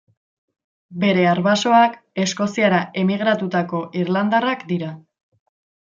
Bere arbasoak Eskoziara emigratutako irlandarrak dira.